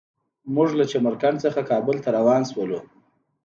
موږ له چمر کنډ څخه کابل ته روان شولو.